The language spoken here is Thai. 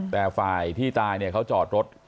แต่ฝ่ายที่ตายเนี่ยเขาจอดรถ